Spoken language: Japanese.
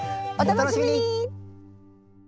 お楽しみに！